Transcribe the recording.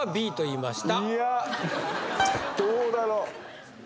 いやどうだろう？